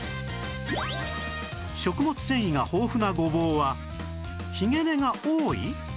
食物繊維が豊富なごぼうはひげ根が多い？